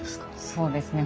そうですね。